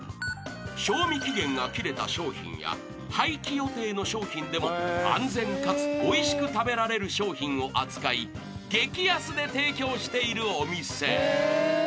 ［賞味期限が切れた商品や廃棄予定の商品でも安全かつおいしく食べられる商品を扱い激安で提供しているお店］